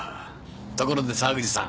ところで沢口さん。